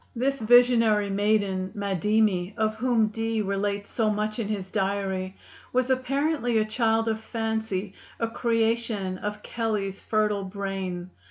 This visionary maiden Madimi, of whom Dee relates so much in his diary, was apparently a child of fancy, a creation of Kelley's fertile brain.